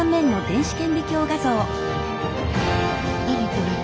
何これ？